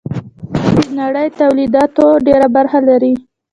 چین د نړۍ تولیداتو ډېره برخه لري.